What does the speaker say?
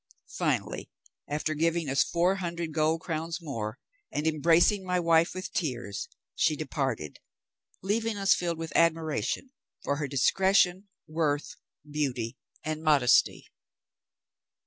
Finally, after giving us four hundred gold crowns more, and embracing my wife with tears, she departed, leaving us filled with admiration for her discretion, worth, beauty, and modesty.